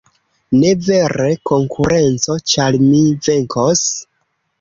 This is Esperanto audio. .... Ne vere konkurenco, ĉar mi venkos.